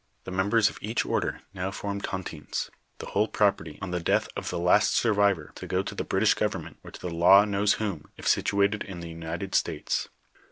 The members of each order now formed Tontints, the whole property, on tho death of the last survivor, to go to the British government, or to the law knows whom, if situated in the United States.